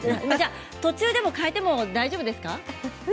途中でも変えて大丈夫ですか？